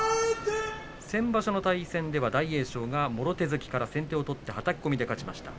先場所の対戦では大栄翔がもろ手突きから先手を取ってはたき込みで勝ちました。